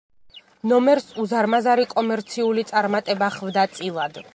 ნომერს უზარმაზარი კომერციული წარმატება ხვდა წილად.